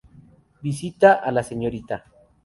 Visita a la Srta.